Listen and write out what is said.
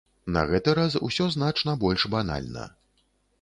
На гэты раз усё значна больш банальна.